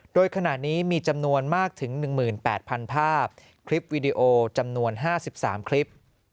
โดยขณะนี้มีจำนวนมากถึง๑๘๐๐๐ภาพคลิปวิดีโอจำนวน๕๓คลิป